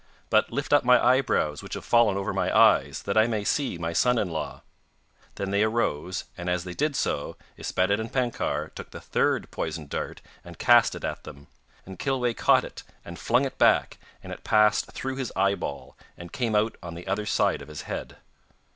But lift up my eyebrows, which have fallen over my eyes, that I may see my son in law.' Then they arose, and as they did so Yspaddaden Penkawr took the third poisoned dart and cast it at them. And Kilweh caught it, and flung it back, and it passed through his eyeball, and came out on the other side of his head.